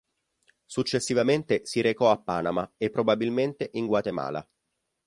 Successivamente si recò a Panama e probabilmente in Guatemala.